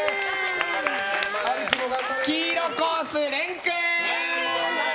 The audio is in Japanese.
黄色コース、れん君！